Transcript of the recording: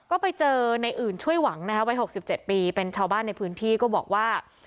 ก็ไปเจอในอื่นช่วยหวังนะคะวัย๖๗ปีเป็นชาวบ้านในพื้นที่ก็บอกว่า